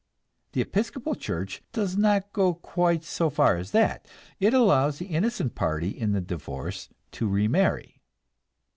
The Episcopal Church does not go quite so far as that; it allows the innocent party in the divorce to remarry.